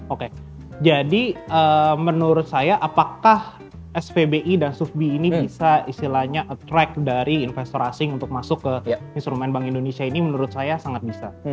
oke jadi menurut saya apakah spbi dan sufbi ini bisa istilahnya attract dari investor asing untuk masuk ke instrumen bank indonesia ini menurut saya sangat bisa